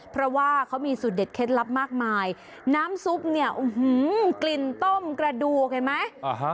เพราะว่าเขามีสูตรเด็ดเคล็ดลับมากมายน้ำซุปเนี่ยกลิ่นต้มกระดูกเห็นไหม